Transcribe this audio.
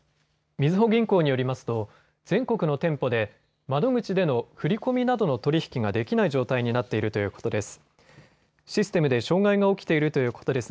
みずほ銀行によりますと全国の店舗で窓口での振り込みなどの取り引きができない状態になっているということです。